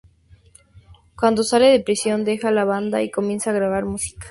Cuando sale de prisión, deja la banda y comienza a grabar música.